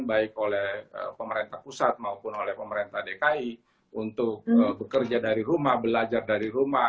baik oleh pemerintah pusat maupun oleh pemerintah dki untuk bekerja dari rumah belajar dari rumah